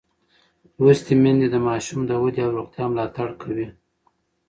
لوستې میندې د ماشوم د ودې او روغتیا ملاتړ کوي.